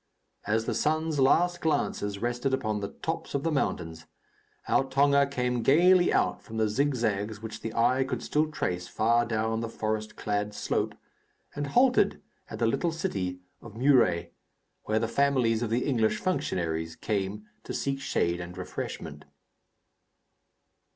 As the sun's last glances rested upon the tops of the mountains, our tonga came gaily out from the zigzags which the eye could still trace far down the forest clad slope, and halted at the little city of Muré; where the families of the English functionaries came to seek shade and refreshment.